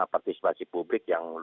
partisipasi publik yang